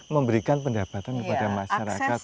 memberikan pendapatan kepada masyarakat